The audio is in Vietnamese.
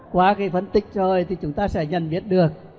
qua cái phân tích rồi thì chúng ta sẽ dần biết được